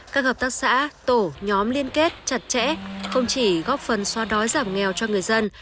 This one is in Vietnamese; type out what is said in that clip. các hợp tác xã tổ nhóm liên kết chặt chẽ không chỉ góp phần xoa đói giảm nghèo cho người dân